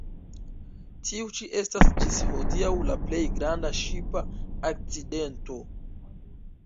Tiu ĉi estas ĝis hodiaŭ la plej granda ŝipa akcidento.